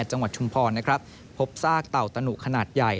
ชุมพรนะครับพบซากเต่าตะหนุขนาดใหญ่